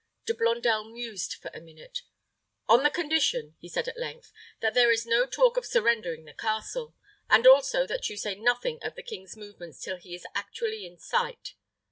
De Blondel mused for a minute. "On the condition," he said, at length, "that there is no talk of surrendering the castle; and also that you say nothing of the king's movements till he is actually in sight.